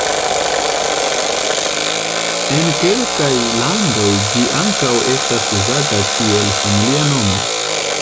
En kelkaj landoj ĝi ankaŭ estas uzata kiel familia nomo.